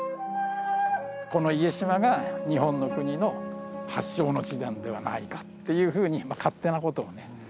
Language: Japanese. この家島が日本の国の発祥の地なんではないかっていうふうに勝手なことをね